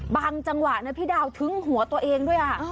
จังหวะนะพี่ดาวทึ้งหัวตัวเองด้วย